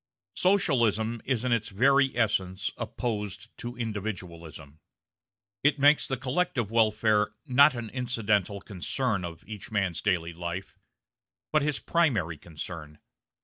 Socialism is in its very essence opposed to individualism. It makes the collective welfare not an incidental concern of each man's daily life, but his primary concern.